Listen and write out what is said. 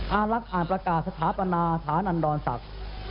อารักษ์อ่านประกาศสถาปนาฐานอันดรศักดิ์